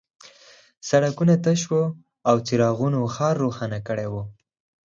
سړکونه تش وو او څراغونو ښار روښانه کړی و